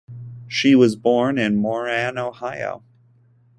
She was born in Moran, Ohio.